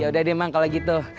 yaudah deh mang kalo gitu